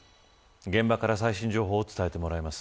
現場から最新情報を伝えてもらいます。